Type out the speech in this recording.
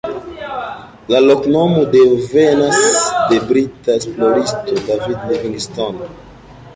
La loknomo devenas de brita esploristo David Livingstone.